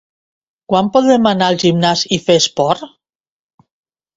Quan podrem anar al gimnàs i fer esport?